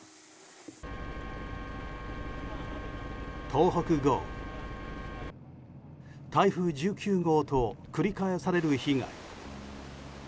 東北豪雨、台風１９号と繰り返される被害。